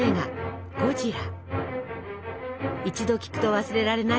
一度聞くと忘れられない